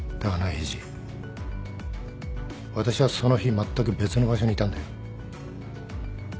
エイジ私はその日まったく別の場所にいたんだよ。